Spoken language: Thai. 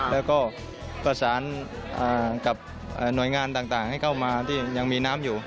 แล้วก็ประสานกับหน่วยงานต่างให้เข้ามาที่ยังมีน้ำอยู่